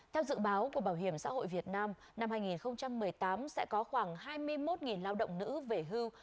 theo dự báo của bảo hiểm xã hội việt nam năm hai nghìn một mươi tám sẽ có khoảng hai mươi một lao động nữ về hưu